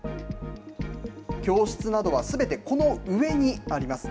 教室などはすべてこの上にあります。